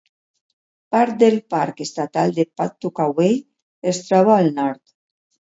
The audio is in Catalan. Part del parc estatal de Pawtuckaway es troba al nord.